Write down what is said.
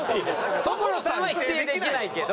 所さんは否定できないけど。